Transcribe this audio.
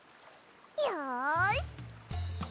よし！